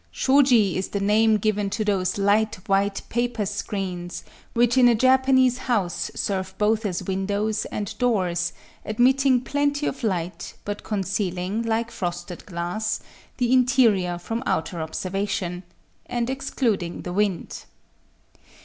Shōji is the name given to those light white paper screens which in a Japanese house serve both as windows and doors, admitting plenty of light, but concealing, like frosted glass, the interior from outer observation, and excluding the wind.